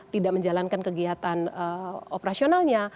tidak menjalankan kegiatan operasionalnya